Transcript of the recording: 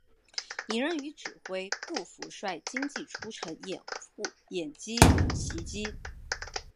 李任与指挥顾福帅精骑出城掩击袭击。